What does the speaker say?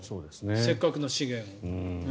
せっかくの資源を。